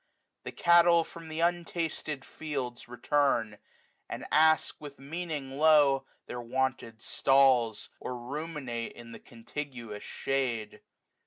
The cattle from the untasted fields return. And ask, with meaning lowe, their wonted stalls, 85 WINTER. 179 Or ruminate in the contiguous shade.